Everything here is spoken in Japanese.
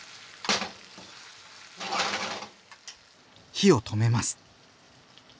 火を止めます。